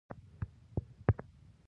صرف يوه شعري ټولګه “اغاز َد عشق” پۀ نوم